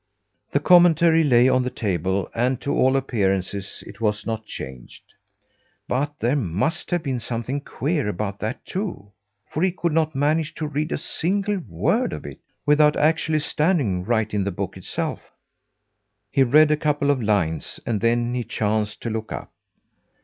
The Commentary lay on the table and, to all appearances, it was not changed; but there must have been something queer about that too, for he could not manage to read a single word of it, without actually standing right in the book itself. He read a couple of lines, and then he chanced to look up.